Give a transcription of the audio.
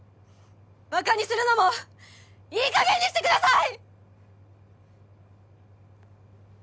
バカにするのもいい加減にしてください！